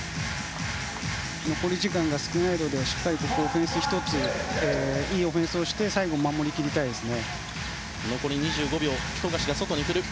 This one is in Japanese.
残り時間が少ないのでしっかりと１ついいオフェンスをして最後、守り切りたいですね。